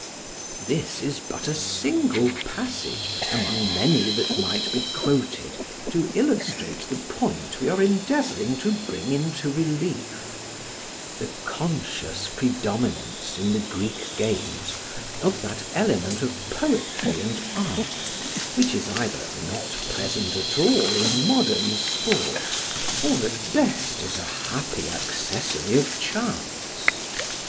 ] This is but a single passage among many that might be quoted to illustrate the point we are endeavouring to bring into relief the conscious predominance in the Greek games of that element of poetry and art which is either not present at all in modern sport or at best is a happy accessory of chance.